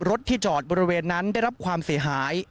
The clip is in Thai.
รถที่จอดบริเวณนั้นได้รับความเสียหาย